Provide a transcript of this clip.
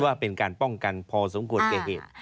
ว่าเป็นการป้องกันพอสมควรแก่เหตุ